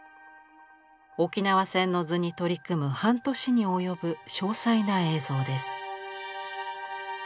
「沖縄戦の図」に取り組む半年に及ぶ詳細な映像です。